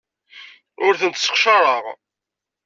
Ur tent-sseqcareɣ.